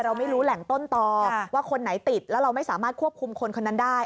เราไม่รู้แหล่งต้นต่อว่าคนไหนติดแล้วเราไม่สามารถควบคุมคนคนนั้นได้